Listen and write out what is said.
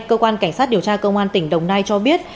cơ quan cảnh sát điều tra công an tỉnh đồng nai cho biết